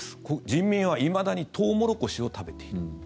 人民はいまだにトウモロコシを食べている。